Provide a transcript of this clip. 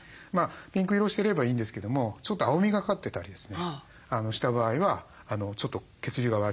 ピンク色をしてればいいんですけどもちょっと青みがかってたりですねした場合はちょっと血流が悪いんです。